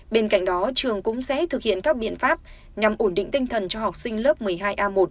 bên cạnh đó trường cũng sẽ thực hiện các biện pháp nhằm ổn định tinh thần cho học sinh lớp một mươi hai a một